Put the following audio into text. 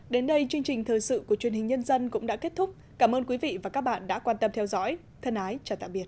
đến đây chương trình thời sự của truyền hình nhân dân cũng đã kết thúc cảm ơn quý vị và các bạn đã quan tâm theo dõi thân ái chào tạm biệt